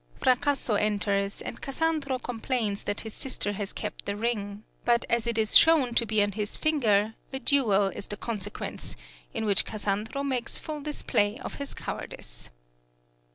Fracasso enters, and Cassandro complains that his sister has kept the ring; but as it is shown to be on his finger, a duel is the consequence, in which Cassandro makes full display of his cowardice.